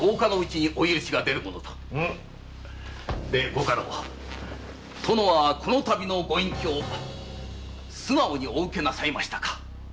御家老殿は今回のご隠居素直にお受けなさいましたか？